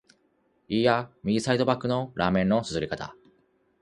いーや、右サイドバックのラーメンの啜り方！